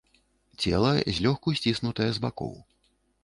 Цела злёгку сціснутае з бакоў.